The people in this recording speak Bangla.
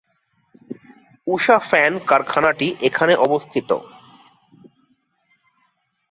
উষা ফ্যান কারখানাটি এখানে অবস্থিত।